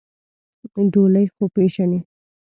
ډولۍ خو پېژنې؟